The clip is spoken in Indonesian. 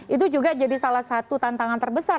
itu juga jadi salah satu tantangan terbesar